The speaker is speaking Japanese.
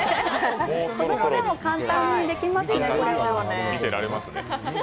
これでも簡単にできますね。